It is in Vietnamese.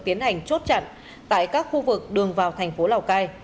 tiến hành chốt chặn tại các khu vực đường vào thành phố lào cai